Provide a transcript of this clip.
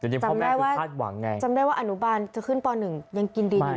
จำได้ว่าอนุบาลจะขึ้นป๑ยังกินดินอยู่เลยค่ะ